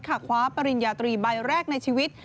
คว้าปริญญาตรีใบแรกในชีวิต